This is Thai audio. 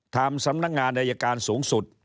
สำนักงานอายการสูงสุด